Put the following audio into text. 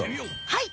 はい！